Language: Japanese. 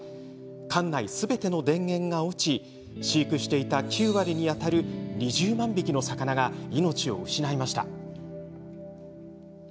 館内すべての電源が落ち飼育していた９割に当たる２０万匹の魚が命を失いました。